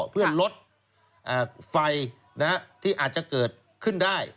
เพื่อลดไฟที่อาจจะเกิดขึ้นได้